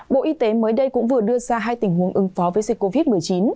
bộ y tế mới đây cũng vừa đưa ra hai tình huống ứng phó với dịch covid một mươi chín